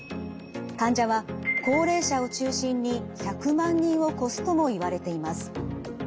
患者は高齢者を中心に１００万人を超すともいわれています。